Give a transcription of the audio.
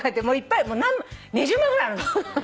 もういっぱい２０枚ぐらいあるの。